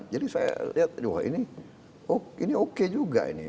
jadi saya lihat ini oke juga ini